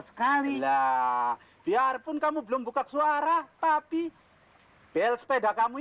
tidak lebih tidak lebih dari dua sepanjang lalu